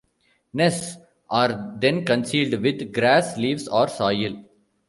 Nests are then concealed with grass, leaves, or soil.